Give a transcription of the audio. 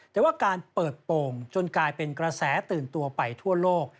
แต่ว่าการเปิดโป่งจนกลายเป็นกระแสตื่นตัวไปทั่วโลก